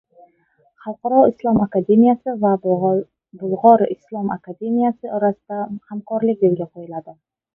Xalqaro islom akademiyasi va Bulg‘or islom akademiyasi orasida hamkorlik yo‘lga qo‘yiladi